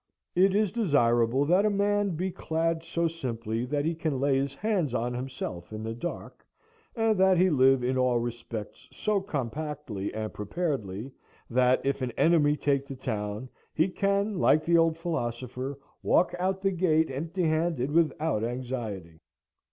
It is desirable that a man be clad so simply that he can lay his hands on himself in the dark, and that he live in all respects so compactly and preparedly, that, if an enemy take the town, he can, like the old philosopher, walk out the gate empty handed without anxiety.